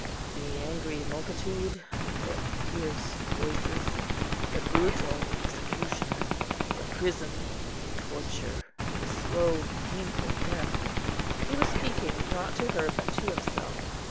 "The angry multitude, their fierce voices, the brutal executioner, the prison, the torture, the slow, painful death." He was speaking, not to her, but to himself.